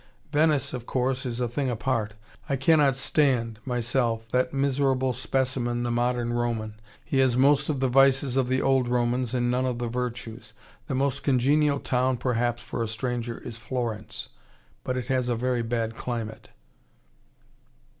Venice, of course, is a thing apart. I cannot stand, myself, that miserable specimen the modern Roman. He has most of the vices of the old Romans and none of the virtues. The most congenial town, perhaps, for a stranger, is Florence. But it has a very bad climate."